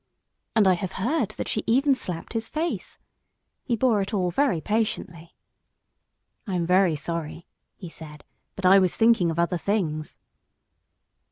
And I have heard that she even slapped his face. He bore it all very patiently. "I am very sorry," he said, "but I was thinking of other things."